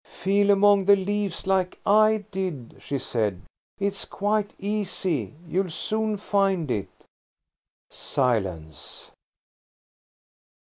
"Feel among the leaves, like I did," she said. "It's quite easy. You'll soon find it." Silence.